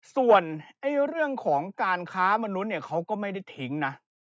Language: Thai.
ส่วนเรื่องของการค้ามนุษย์เขาก็ไม่ได้ทิ้งนะ